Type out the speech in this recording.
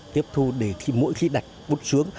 tiếp thu để khi mỗi khi đặt bút xuống